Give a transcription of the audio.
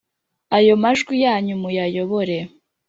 ayo majwi yanyu muyayobore